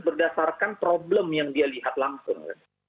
berdasarkan problem yang dia lihat langsung